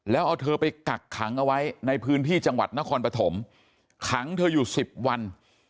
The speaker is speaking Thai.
แล้วเอาเธอไปกักขังเอาไว้ในพื้นที่จังหวัดนครปฐมขังเธออยู่๑๐วัน